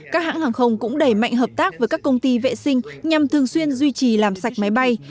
các hãng hàng không cũng đẩy mạnh hợp tác với các công ty vệ sinh nhằm thường xuyên duy trì làm sạch máy bay